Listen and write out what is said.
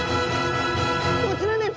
こちらです。